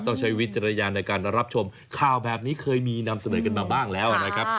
ใช้วิจารณญาณในการรับชมข่าวแบบนี้เคยมีนำเสนอกันมาบ้างแล้วนะครับ